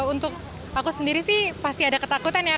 untuk aku sendiri sih pasti ada ketakutan ya